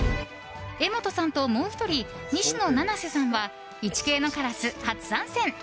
柄本さんともう１人西野七瀬さんは「イチケイのカラス」初参戦。